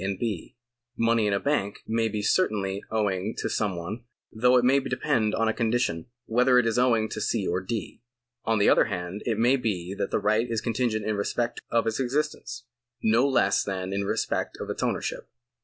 and B. Money in a bank may be certainly owing to some one, though it may depend on a condition, whether it is owing to C. or D. On the other hand, it may be that the right is con tingent in respect of its existence, no less than in respect of its ownership.